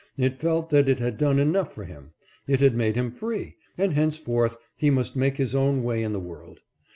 It felt that it had done enough for him. It had made him free, and henceforth he must make his own way in the world.